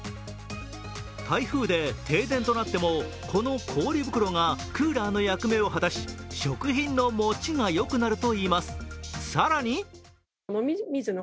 台風で停電となっても、この氷袋がクーラーの役目を果たし、食品のもちがよくなるといいます。